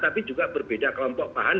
tidak hanya berbeda kelompok paham